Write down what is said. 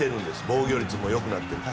防御率も良くなっていて。